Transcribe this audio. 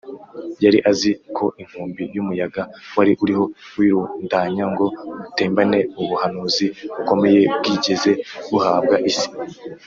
. Yari azi ko inkubi y’umuyaga wari uriho wirundanya ngo utembane ubuhanuzi bukomeye bwigeze buhabwa isi